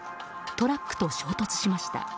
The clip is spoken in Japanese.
トラックと衝突しました。